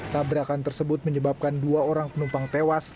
tabrakan tersebut menyebabkan dua orang penumpang tewas